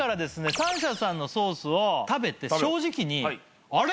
３社さんのソースを食べて正直にあれ？